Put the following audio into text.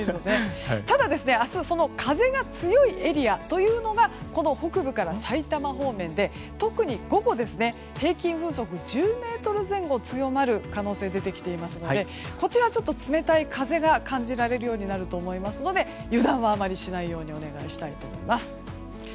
ただ、明日風が強いエリアというのがこの北部から埼玉方面で特に午後平均風速１０メートル前後可能性が出てきていますのでこちら冷たい風が感じられるようになると思いますので油断はしないようにお願いします。